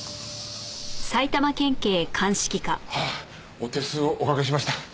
ああお手数をおかけしました。